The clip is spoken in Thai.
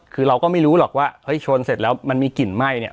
คือเราก็ไม่รู้หรอกว่าเฮ้ยชนเสร็จแล้วมันมีกลิ่นไหม้เนี่ย